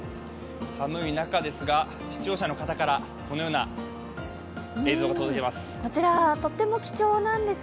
寒い中ですが、視聴者の方からこのような映像が届いています。